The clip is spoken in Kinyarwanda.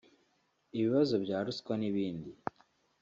ibibazo bya ruswa n’ibindi